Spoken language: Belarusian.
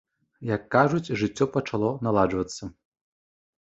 Як кажуць, жыццё пачало наладжвацца.